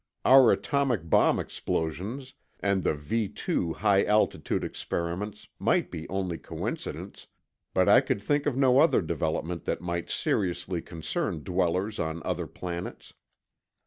Our atomic bomb explosions and the V 2 high altitude experiments might be only coincidence, but I could think of no other development that might seriously concern dwellers on other planets.